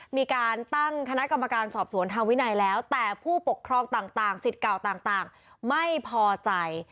มีการตั้งคณะกรรมการสอบสวนทางวินัยแล้วแต่ผู้ปกครองต่างสิทธิ์เก่าต่างไม่พอใจ